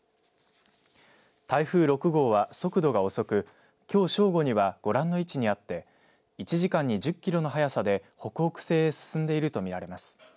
台風６号は速度が遅くきょう正午にはご覧の位置にあって、１時間に１０キロの速さで北北西へ進んでいると見られます。